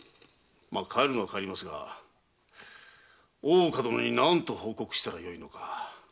まあ帰るには帰りますが大岡殿に何と報告したらよいのか。